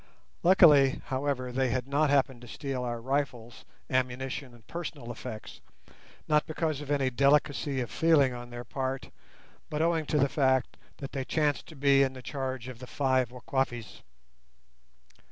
Luckily, however, they had not happened to steal our rifles, ammunition, and personal effects; not because of any delicacy of feeling on their part, but owing to the fact that they chanced to be in the charge of the five Wakwafis.